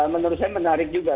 menurut saya menarik juga